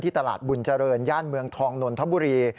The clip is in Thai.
ตลาดบุญเจริญย่านเมืองทองนนทบุรี